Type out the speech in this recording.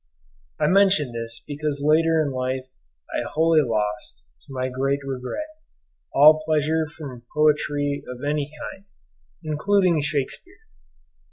I mention this because later in life I wholly lost, to my great regret, all pleasure from poetry of any kind, including Shakespeare.